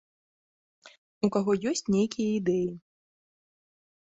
У каго ёсць нейкія ідэі.